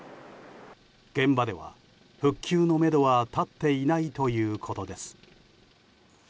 現場では復旧のめどは立っていないということです。